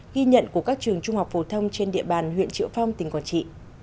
ghi nhận của các trường trung học phổ thông trên địa bàn huyện triệu phong tỉnh quảng trị